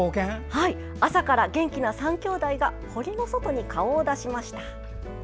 朝から元気な３兄弟が堀の外に顔を出しました。